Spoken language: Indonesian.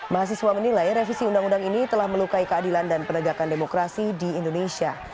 mahasiswa menilai revisi undang undang ini telah melukai keadilan dan penegakan demokrasi di indonesia